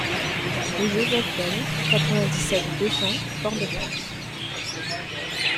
Rue Joseph Del, quatre-vingt-dix-sept, deux cents Fort-de-France